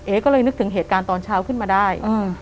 ก็เลยนึกถึงเหตุการณ์ตอนเช้าขึ้นมาได้